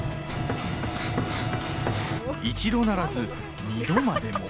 一度ならず、二度までも。